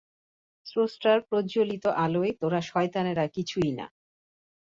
স্রষ্টার প্রজ্জলিত আলোয় তোরা শয়তানেরা কিছুই না!